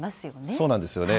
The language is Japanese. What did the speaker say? そうなんですよね。